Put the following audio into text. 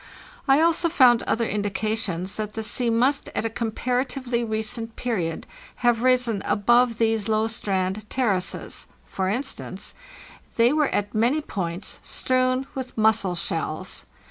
I also found other indications that the sea must at a comparatively recent period have risen above these low strand terraces. For instance, they were at many points strewn with mussel shells.